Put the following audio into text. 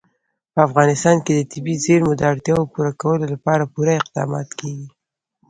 په افغانستان کې د طبیعي زیرمو د اړتیاوو پوره کولو لپاره پوره اقدامات کېږي.